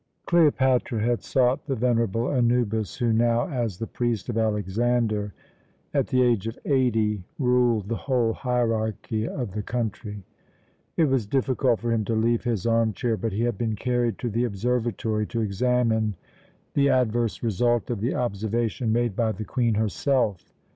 Cleopatra had sought the venerable Anubis, who now, as the priest of Alexander, at the age of eighty, ruled the whole hierarchy of the country. It was difficult for him to leave his arm chair, but he had been carried to the observatory to examine the adverse result of the observation made by the Queen herself.